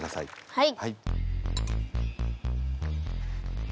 はい。